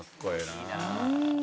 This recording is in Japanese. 「いいな」